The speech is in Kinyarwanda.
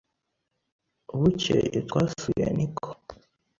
Bukeye twasuye Nikko.